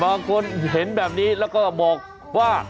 บางคนเห็นแบบนี้แล้วก็บอกว่า